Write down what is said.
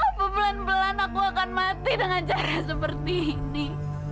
aku belan pelan aku akan mati dengan cara seperti ini